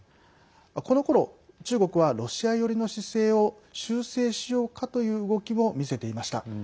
このころ、中国はロシア寄りの姿勢を修正しようかという動きも見せていました。